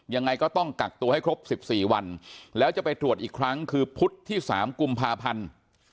ยังไงก็ต้องกักตัวให้ครบ๑๔วันแล้วจะไปตรวจอีกครั้งคือพุธที่๓กุมภาพันธ์